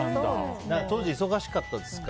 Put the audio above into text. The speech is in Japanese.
忙しかったですか？